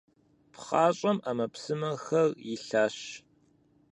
ПхъащӀэм Ӏэмэпсымэхэр илъащ.